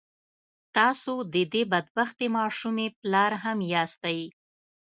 تاسو د دې بد بختې ماشومې پلار هم ياستئ.